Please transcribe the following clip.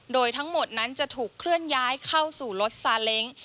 โดยทั้งหมดนั้นจะถูกเคลื่อนย้ายเข้าสู่รถซาเล้ง